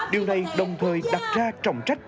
điều này đồng thời đặt ra trọng trách